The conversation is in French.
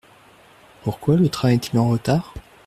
Pourquoi le train est-il en retard ?